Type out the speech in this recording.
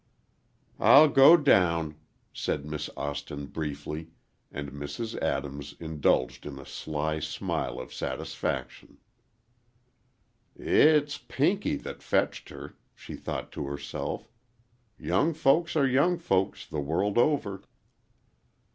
"I'll go down," said Miss Austin, briefly, and Mrs. Adams indulged in a sly smile of satisfaction. "It's Pinky that fetched her," she thought to herself. "Young folks are young folks, the world over."